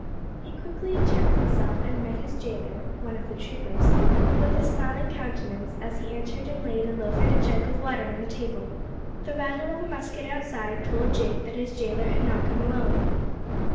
He quickly checked himself, and met his jailor (one of the troopers) with a smiling countenance as he entered and laid a loaf and a jug of water on the table. The rattle of a musket outside told Jake that his jailor had not come alone.